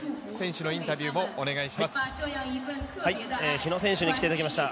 日野選手に来ていただきました。